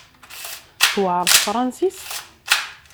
Tewɛer tefransist?